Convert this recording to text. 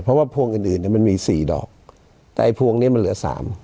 เพราะว่าพวงอื่นอื่นมันมี๔ดอกแต่ไอ้พวงนี้มันเหลือสาม